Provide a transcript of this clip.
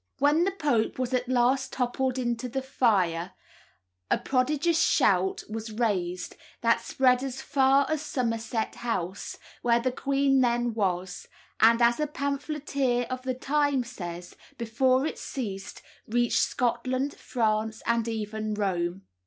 When the pope was at last toppled into the fire a prodigious shout was raised, that spread as far as Somerset House, where the queen then was, and, as a pamphleteer of the time says, before it ceased, reached Scotland, France, and even Rome.